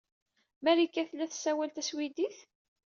Marika tella tessawal taswidit?